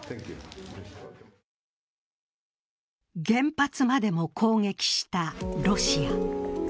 原発までも攻撃したロシア。